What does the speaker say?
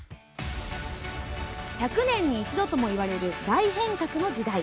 １００年に一度ともいわれる大変革の時代。